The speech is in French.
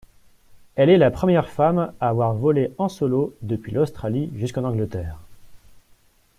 Elle est la première femme à avoir volé en solo depuis l'Australie jusqu'en Angleterre.